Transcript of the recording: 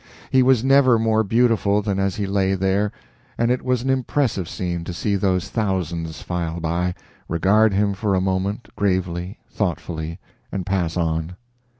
He was never more beautiful than as he lay there, and it was an impressive scene to see those thousands file by, regard him for a moment, gravely, thoughtfully, and pass on.